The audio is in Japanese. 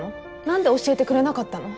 何で教えてくれなかったの？